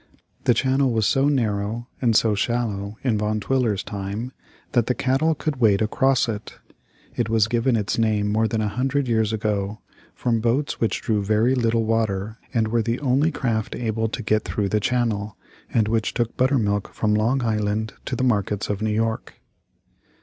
The channel was so narrow and so shallow in Van Twiller's time that the cattle could wade across it. It was given its name more than a hundred years ago, from boats which drew very little water, and were the only craft able to get through the channel, and which took buttermilk from Long Island to the markets of New York.